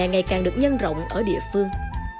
ngày càng được nhân rộng ở địa phương